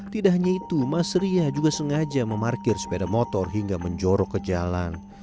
tidak hanya itu mas ria juga sengaja memarkir sepeda motor hingga menjorok ke jalan